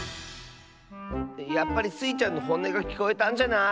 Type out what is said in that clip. やっぱりスイちゃんのほんねがきこえたんじゃない？